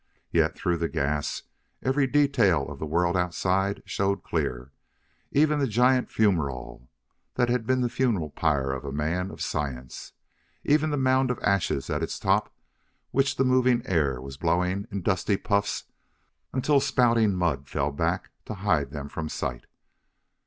Yet, through the gas, every detail of the world outside showed clear; even the giant fumerole that had been the funeral pyre of a man of science; even the mound of ashes at its top which the moving air was blowing in dusty puffs until spouting mud fell back to hide them from sight.